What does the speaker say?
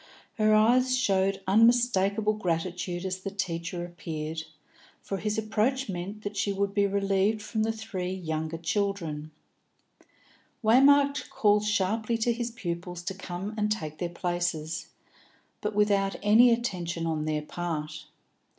Her eyes showed unmistakable gratitude as the teacher appeared, for his approach meant that she would be relieved from the three elder children. Waymark called sharply to his pupils to come and take their places, but without any attention on their part.